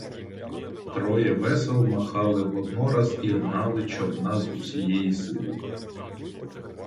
Троє весел махали воднораз і гнали човна з усієї сили.